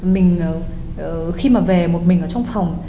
mình khi mà về một mình ở trong phòng